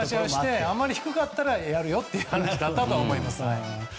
あまりに低かったらやるよという話だったと思います。